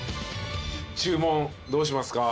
注文どうしますか？